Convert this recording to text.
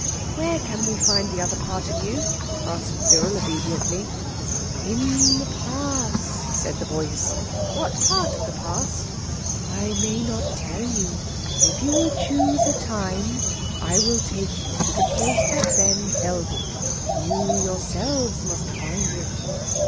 "Where can we find the other part of you?" asked Cyril obediently. "In the Past," said the voice. "What part of the Past?" "I may not tell you. If you will choose a time, I will take you to the place that then held it. You yourselves must find it."